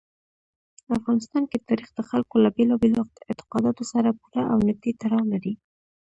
افغانستان کې تاریخ د خلکو له بېلابېلو اعتقاداتو سره پوره او نږدې تړاو لري.